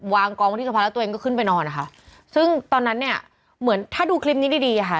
วางกองที่โซฟาล็อบบี้แล้วตัวเองก็ขึ้นไปนอนค่ะซึ่งตอนนั้นเนี่ยเหมือนถ้าดูคลิปนี้ดีค่ะ